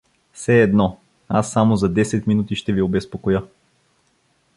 — Сe` едно: аз само за десет минути ще ви обезпокоя.